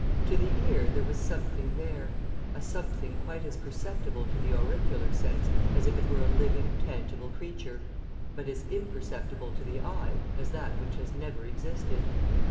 To the ear there was something there, a something quite as perceptible to the auricular sense as if it were a living, tangible creature, but as imperceptible to the eye as that which has never existed.